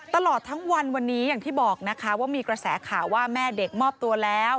ตลอดทั้งวันวันนี้อย่างที่บอกนะคะว่ามีกระแสข่าวว่าแม่เด็กมอบตัวแล้ว